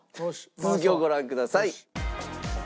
続きをご覧ください。